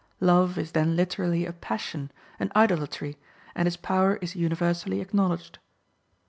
Love is then literally a passion, an idolatry, and its power is universally acknowledged.